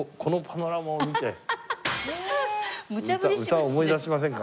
歌思い出しませんかね？